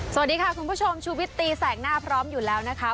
สวัสดีค่ะคุณผู้ชมชูวิตตีแสกหน้าพร้อมอยู่แล้วนะคะ